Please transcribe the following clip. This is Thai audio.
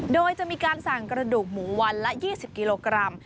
โดยจะมีการสั่งกระดูกหมูวันละ๒๐กิโลกรัม